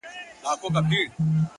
داسي ژوند هم راځي تر ټولو عزتمن به يې”